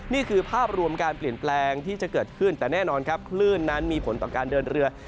นี่คือภาพรวมการเปลี่ยนแปลงที่จะเกิดขึ้นแต่แน่นอนครับคลื่นนั้นมีผลต่อการเดินเรือ